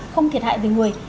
không thiệt hại về người